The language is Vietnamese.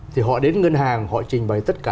thì họ đến ngân hàng họ trình bày tất cả